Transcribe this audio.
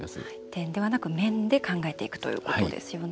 点ではなく面で考えていくということですね。